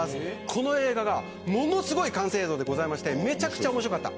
この映画が、ものすごい完成度でめちゃくちゃ面白かった。